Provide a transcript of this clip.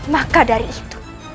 maka dari itu